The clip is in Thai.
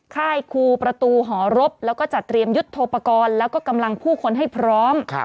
ค่ายครูประตูหอรบแล้วก็จัดเตรียมยุทธโปรกรณ์แล้วก็กำลังผู้คนให้พร้อม